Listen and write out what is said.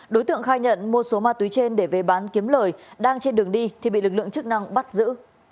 đối tượng khai nhận mua số ma túy trên để về bán kiếm lời đang trên đường đi thì bị lực lượng chức năng bắt giữ